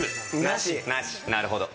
なるほど。